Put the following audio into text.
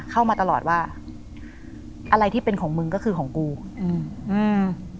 เข้ามาตลอดว่าอะไรที่เป็นของมึงก็คือของกูอืมอืม